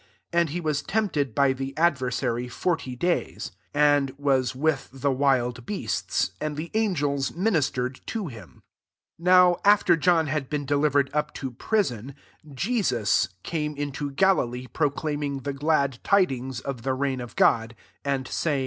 IS And he was tempted by the adversary forty days;* and was with the wild beasts ; and the angels minis tered to him. 14 NOW after John had been delivered up to firisony Jesus came into Galilee, proclaiming the glad tidings [of the reign] of God, 15 [and'] saymg, « The *i